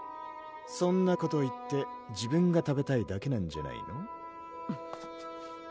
そんなこと言って自分が食べたいだけなんじゃないの？